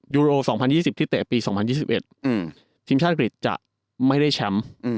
โร๒๐๒๐ที่เตะปี๒๐๒๑ทีมชาติอังกฤษจะไม่ได้แชมป์